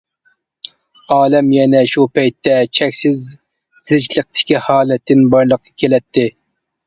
ئالەم ئەنە شۇ پەيتتە چەكسىز زىچلىقتىكى ھالەتتىن بارلىققا كېلەتتى.